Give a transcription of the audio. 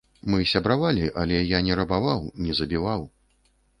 Мы сябравалі, але я не рабаваў, не забіваў.